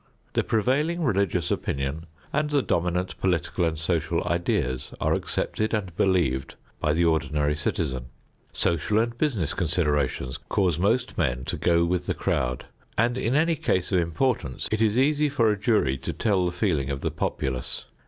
The prevailing religious opinion and the dominant political and social ideas are accepted and believed by the ordinary citizen. Social and business considerations cause most men to go with the crowd, and in any case of importance it is easy for a jury to tell the feeling of the populace.